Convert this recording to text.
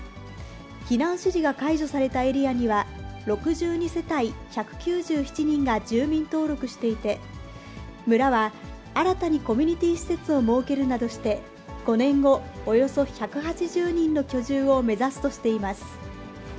避難指示が解除されたエリアには、６２世帯１９７人が住民登録していて、村は新たにコミュニティー施設を設けるなどして、５年後、およそ１８０人の居住を目指すとしています。